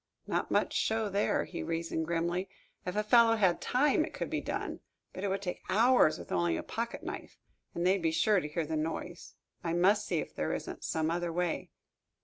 "Not much show there," he reasoned grimly. "If a fellow had time, it could be done. But it would take hours with only a pocketknife and they'd be sure to hear the noise. I must see if there isn't some other way."